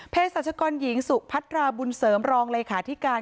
เพศสัชกรหญิงสุขพัฒนาบุญเสริมรองเลยคาทิการ